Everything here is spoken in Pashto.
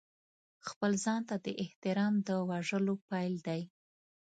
خپل ځان ته د احترام د وژلو پیل دی.